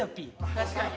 確かに。